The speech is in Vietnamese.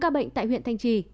bốn ca bệnh tại huyện thanh trì